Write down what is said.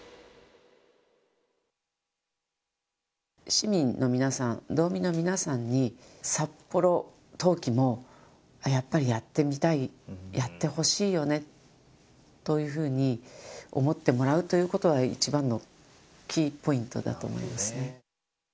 市民の皆さん、道民の皆さんに、札幌冬季もやっぱりやってみたい、やってほしいよねというふうに思ってもらうということは、一番のキーポイントだと思いますね。